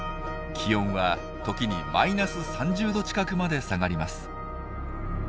気温は時にマイナス３０℃近くまで下がります。